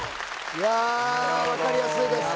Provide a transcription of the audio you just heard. いや分かりやすいです